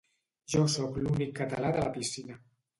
Jo sóc l'únic català de la piscina